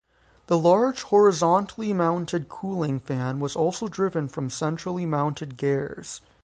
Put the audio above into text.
The large horizontally mounted cooling fan was also driven from centrally mounted gears.